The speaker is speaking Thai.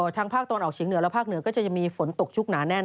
ภาคตะวันออกเฉียงเหนือและภาคเหนือก็จะมีฝนตกชุกหนาแน่น